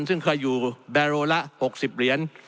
ซึ่งเคยอยู่แบโลละ๖๐เหรียญ